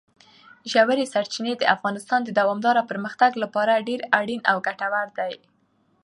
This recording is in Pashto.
ژورې سرچینې د افغانستان د دوامداره پرمختګ لپاره ډېر اړین او ګټور دي.